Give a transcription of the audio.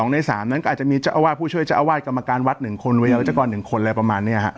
ใน๓นั้นก็อาจจะมีเจ้าอาวาสผู้ช่วยเจ้าอาวาสกรรมการวัด๑คนวัยยาวัชกร๑คนอะไรประมาณนี้ฮะ